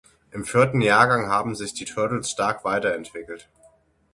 Im vierten Jahrgang haben sich die Turtles stark weiter entwickelt.